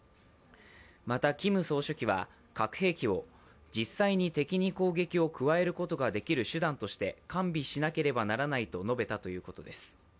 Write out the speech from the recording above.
また、キム総書記は、核兵器を実際に敵に攻撃を加えることができる手段として完備しなければならないと述べたということです。